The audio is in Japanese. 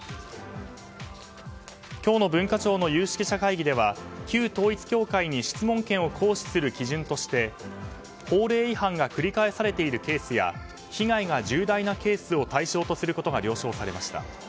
今日の文化庁の有識者会議では旧統一教会に質問権を行使する基準として法令違反が繰り返されているケースや被害が重大なケースを対象とすることが了承されました。